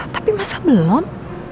tapi masa belum